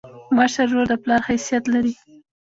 مشر ورور د پلار حیثیت لري.